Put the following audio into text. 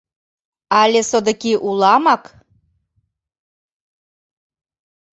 Але содыки уламак?